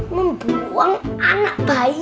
membuang anak bayi